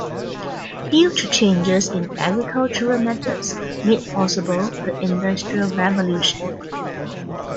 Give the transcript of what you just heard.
Huge changes in agricultural methods made possible the Industrial Revolution.